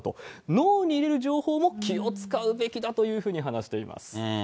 脳に入れる情報も気を遣うべきだというふうに話しています。